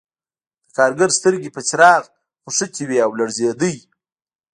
د کارګر سترګې په څراغ کې نښتې وې او لړزېده